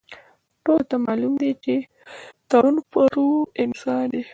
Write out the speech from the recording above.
ټولو ته معلوم دی، ټرو پرو انسان دی.